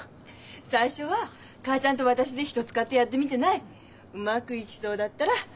最初は母ちゃんと私で人使ってやってみでないうまぐいぎそうだったら。